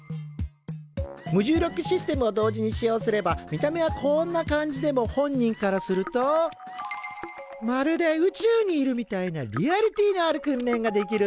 無重力システムを同時に使用すれば見た目はこんな感じでも本人からするとまるで宇宙にいるみたいなリアリティーのある訓練ができるんだ！